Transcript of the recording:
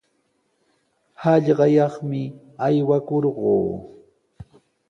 Hallqayaqmi aywakurquu.